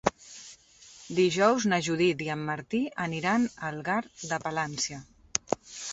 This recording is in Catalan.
Dijous na Judit i en Martí aniran a Algar de Palància.